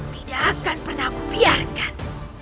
tidak akan pernah aku biarkan